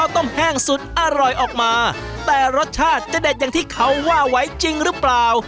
แต่รสชาติจะเด็ดอย่างที่เขาว่าไว้จริงหรือเปล่า